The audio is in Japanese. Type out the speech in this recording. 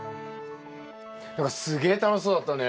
何かすげえ楽しそうだったね。